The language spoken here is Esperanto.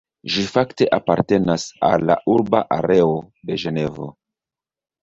Ĝi fakte apartenas al la urba areo de Ĝenevo.